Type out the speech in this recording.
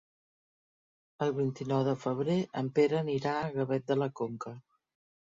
El vint-i-nou de febrer en Pere anirà a Gavet de la Conca.